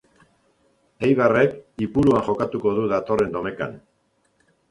Eibarrek Ipuruan jokatuko du datorren domekan.